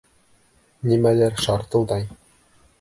Нимәлер шартылдай.